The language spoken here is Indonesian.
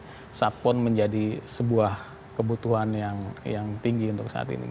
jadi sapon menjadi sebuah kebutuhan yang tinggi untuk saat ini